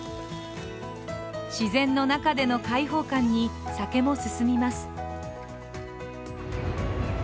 自然の中での開放感に酒も進みます。